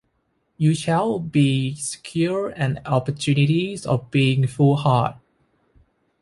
You shall be secured an opportunity of being fully heard.